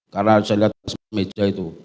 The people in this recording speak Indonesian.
karena saya lihat meja itu